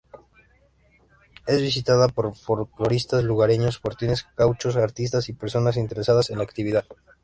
Es visitada por folkloristas, lugareños, fortines gauchos, artistas y personas interesadas en la actividad.